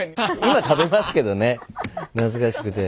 今食べますけどね懐かしくて。